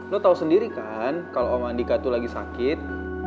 lo tahu sendiri kan kalau om andika tuh lagi sakit